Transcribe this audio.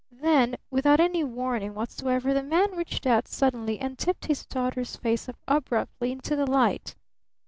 Then without any warning whatsoever, the man reached out suddenly and tipped his daughter's face up abruptly into the light.